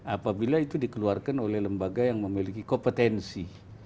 apabila itu dikeluarkan oleh lembaga yang memiliki kompetensi